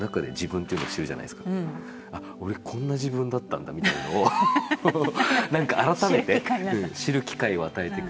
あっ俺こんな自分だったんだみたいなのをなんか改めて知る機会を与えてくれて。